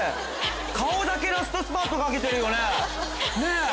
顔だけラストスパートかけてるよね？ねぇ？